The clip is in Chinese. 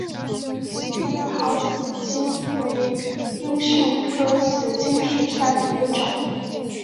叶苞紫堇为罂粟科紫堇属下的一个种。